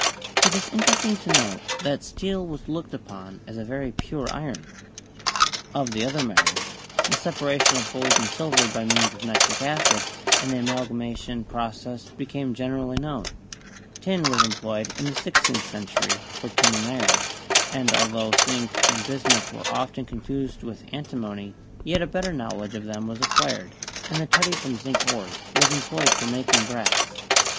It is interesting to note that steel was looked upon as a very pure iron. Of the other metals, the separation of gold and silver by means of nitric acid, and the amalgamation process became gen erally known; tin was employed in the sixteenth century for tinning iron; and altho zinc and bismuth were often confused with antimony, yet a better knowledge of them was acquired, and the tutty from zinc ores was employed for making brass.